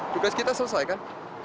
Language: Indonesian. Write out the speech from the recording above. dukas kita selesai kan